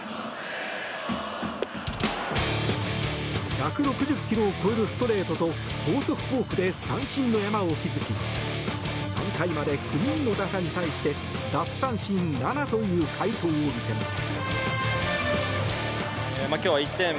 １６０キロを超えるストレートと高速フォークで三振の山を築き３回まで、９人の打者に対して脱三振７という快投を見せます。